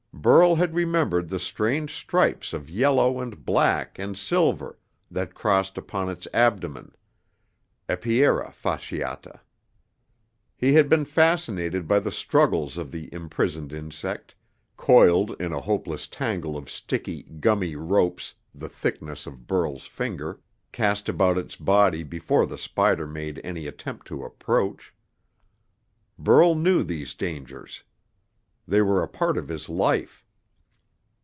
Burl had remembered the strange stripes of yellow and black and silver that crossed upon its abdomen (Epiera fasciata). He had been fascinated by the struggles of the imprisoned insect, coiled in a hopeless tangle of sticky, gummy ropes the thickness of Burl's finger, cast about its body before the spider made any attempt to approach. Burl knew these dangers. They were a part of his life.